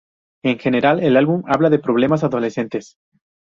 En general, el álbum habla de problemas adolescentes.